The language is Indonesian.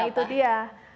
nah itu dia